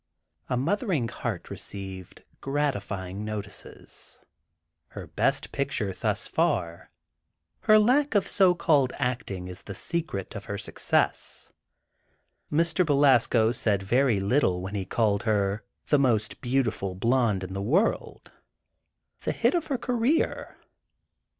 "A Mothering Heart" received gratifying notices: "Her best picture, thus far"; "Her lack of so called acting is the secret of her success"; "Mr. Belasco said very little when he called her 'the most beautiful blonde in the world'"; "The hit of her career."